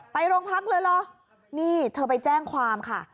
ไปโรงพักเลยเหรอนี่เธอไปแจ้งความค่ะ